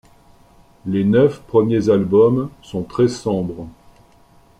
Les neuf premiers albums sont très sombres.